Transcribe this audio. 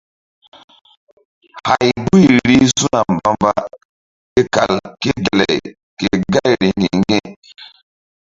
Hay guy rih su̧na mbamba ke kal ké gelay ke gayri ŋgi̧-ŋgi̧.